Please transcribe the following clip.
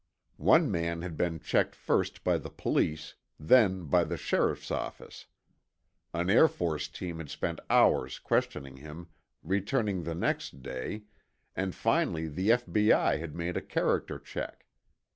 One man had been checked first by the police, then by the sheriff's office; an Air Force team had spent hours questioning him, returning the next day, and finally the F.B.I. had made a character check.